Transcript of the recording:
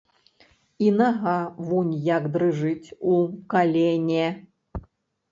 І нага вунь як дрыжыць у калене.